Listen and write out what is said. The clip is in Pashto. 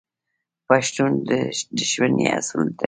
پښتون د دښمنۍ اصول لري.